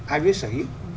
ai biết sở hữu